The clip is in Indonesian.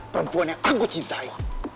perempuan yang aku cintai